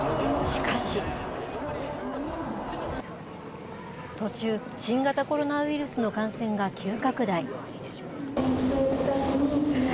しかし、途中、新型コロナウイルスの感染が急拡大。